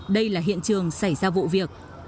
đây là hiện trường xảy ra vụ việc